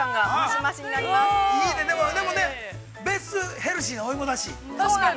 でも、ベースはヘルシーなお芋だし。